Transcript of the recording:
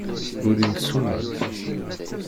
Ulint ssumat.